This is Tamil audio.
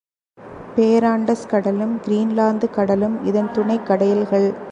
பேரண்டஸ் கடலும், கிரீன்லாந்து கட லும் இதன் துணைக் கடல்கள்.